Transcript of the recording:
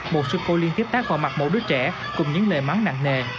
một sự cô liên tiếp tác vào mặt một đứa trẻ cùng những lời mắng nặng nề